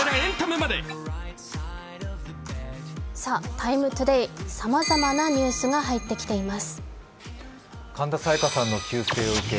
「ＴＩＭＥ，ＴＯＤＡＹ」、さまざまなニュースが入ってきています。